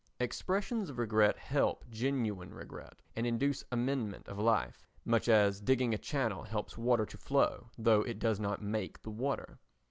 Expressions of regret help genuine regret and induce amendment of life, much as digging a channel helps water to flow, though it does not make the water.